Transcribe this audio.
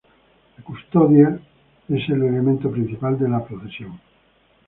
La Custodia con el Santísimo es el elemento principal de la Procesión.